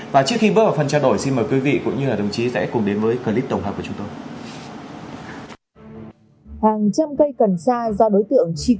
và trước khi bước vào phần trao đổi xin mời quý vị cũng như là đồng chí sẽ cùng đến với clip tổng hợp của chúng tôi